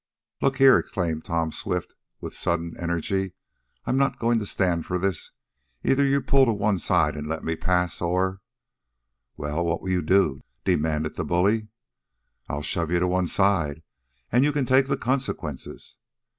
"Look here!" exclaimed Tom Swift, with sudden energy. "I'm not going to stand for this! Either you pull to one side and let me pass, or " "Well, what will you do?" demanded the bully. "I'll shove you to one side, and you can take the consequences!"